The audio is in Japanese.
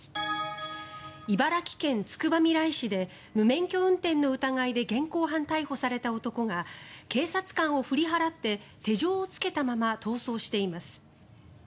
茨城県つくばみらい市で無免許運転の疑いで現行犯逮捕された男が警察官を振り払って手錠をつけたまま逃走しています。